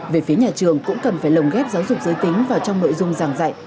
về phía nhà trường cũng cần phải lồng ghép giáo dục giới tính vào trong nội dung giảng dạy